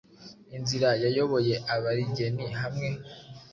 Inzira-yayoboye abaligeni hamwe